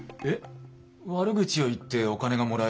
悪口を言ってお金がもらえるんですか？